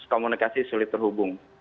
komunikasi sulit terhubung